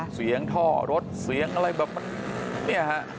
เสียงท่อรถเสียงอะไรแบบนี้ฮะ